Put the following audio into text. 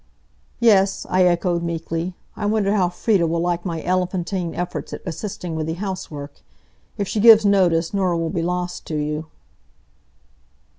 "Yes," I echoed, meekly, "I wonder how Frieda will like my elephantine efforts at assisting with the housework. If she gives notice, Norah will be lost to you."